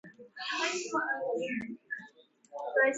Not all regions of the Green Party use the Principal Speaker system.